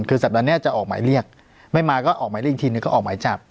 คือสัปดาห์นี้จะออกหมายเรียกไม่มาก็ออกหมายเรียกอีกทีหนึ่งก็ออกหมายจับ